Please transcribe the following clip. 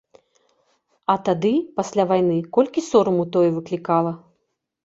А тады, пасля вайны, колькі сораму тое выклікала.